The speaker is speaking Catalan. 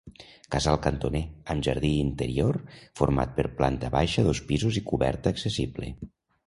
Casal cantoner, amb jardí interior, format per planta baixa, dos pisos i coberta accessible.